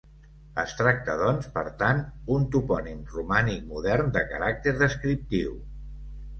Es tracta, doncs, per tant, un topònim romànic modern de caràcter descriptiu.